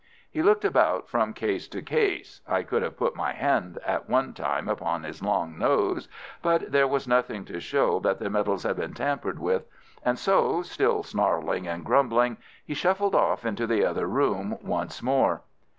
He looked about from case to case—I could have put my hand at one time upon his long nose—but there was nothing to show that the medals had been tampered with, and so, still snarling and grumbling, he shuffled off into the other room once more.